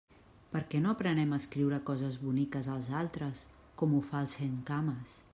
Per què no aprenem a escriure coses boniques als altres, com ho fa el centcames?